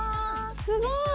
すごい！